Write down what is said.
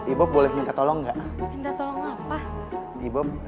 ibu boleh minta tolong nggak